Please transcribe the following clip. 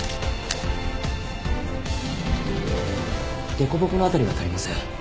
凸凹の辺りが足りません。